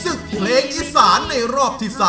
ศึกเพลงอีสานในรอบที่๓